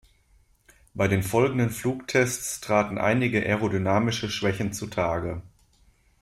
Bei den folgenden Flugtests traten einige aerodynamische Schwächen zutage.